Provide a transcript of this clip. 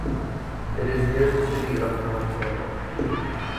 It is near the city of Montana.